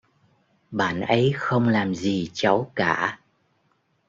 bạn ấy không làm gì cháu cả